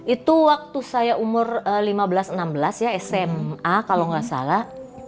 itu waktu saya umur lima belas enam belas ya sma kalau nggak salah